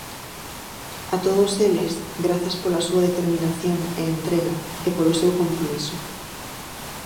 A todos eles, grazas pola súa determinación e entrega e polo seu compromiso.